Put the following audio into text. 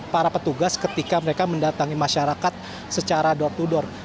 para petugas ketika mereka mendatangi masyarakat secara door to door